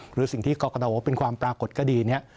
หรือสิ่งที่กอกตอก็เป็นความปรากฏก็ดี